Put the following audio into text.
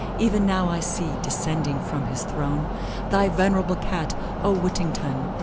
E'en now I see, descending from his throne, Thy venerable Cat, O Whittington!